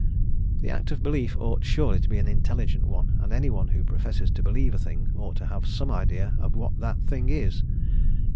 The act of belief ought surely to be an intelligent one, and anyone who professes to believe a thing ought to have some idea of what the thing is.